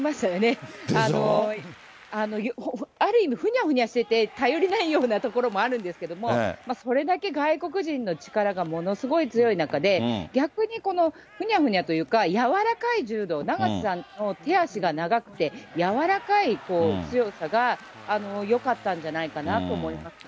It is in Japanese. ある意味ふにゃふにゃしてて、頼りないようなところもあるんですけども、それだけ外国人の力がものすごい強い中で、逆にふにゃふにゃというか、柔らかい柔道、永瀬さんの手足が長くて、柔らかい強さがよかったんじゃないかなと思いますね。